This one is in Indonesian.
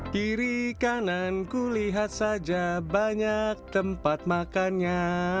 kiri kanan kulihat saja banyak tempat makannya